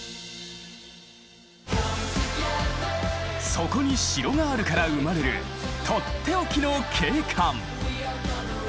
そこに城があるから生まれる取って置きの景観。